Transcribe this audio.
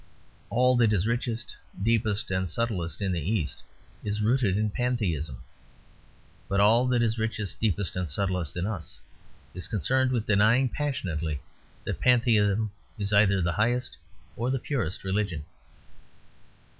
All that is richest, deepest, and subtlest in the East is rooted in Pantheism; but all that is richest, deepest, and subtlest in us is concerned with denying passionately that Pantheism is either the highest or the purest religion.